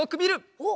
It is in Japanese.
おっ！